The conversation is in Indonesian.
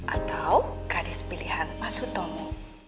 atau gadis pilihan masutomo